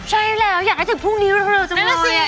ใช่แล้วอยากได้ถึงพรุ่งนี้เร็วจังเลย